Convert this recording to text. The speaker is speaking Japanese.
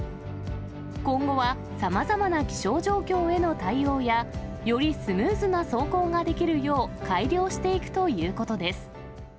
今後はさまざまな気象状況への対応や、よりスムーズな走行ができるよう改良していくということです。